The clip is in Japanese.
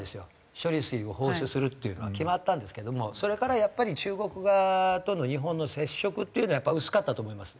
処理水を放出するっていうのは決まったんですけどもそれからやっぱり中国側との日本の接触っていうのはやっぱり薄かったと思います。